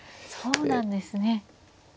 そうなんですね。